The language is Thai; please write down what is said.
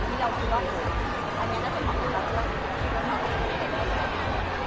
พี่เอ็มเค้าเป็นระบองโรงงานหรือเปลี่ยนไงครับ